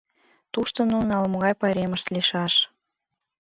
Тушто нунын ала-могай пайремышт лийшаш.